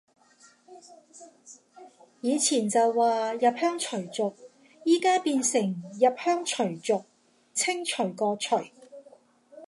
以前就話入鄉隨俗，而家變成入鄉除族，清除個除